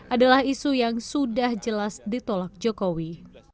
adalah isu yang sudah jelas ditolak jokowi